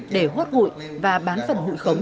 để hốt hụi và bán phần hụi khống